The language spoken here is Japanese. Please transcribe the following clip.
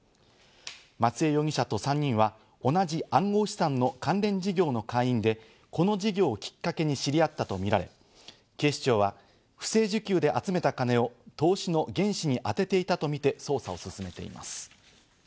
松江容疑者と３人は同じ暗号資産の関連事業の会員でこの事業きっかけに知り合ったとみられ、警視庁は不正受給で集めた金も投資の原資にあてていたとみて捜査を進めています。